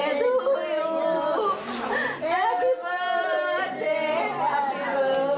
แมนแต่หวาดแมนสะพาล